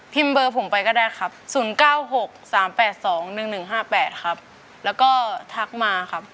เบอร์ผมไปก็ได้ครับ๐๙๖๓๘๒๑๑๕๘ครับแล้วก็ทักมาครับ